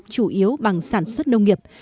chủ yếu bằng sản xuất nông nghiệp